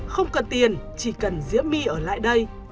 không cần tiền chỉ cần diễm my ở lại đây